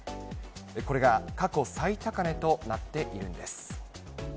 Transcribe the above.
これが過去最高値となっているんです。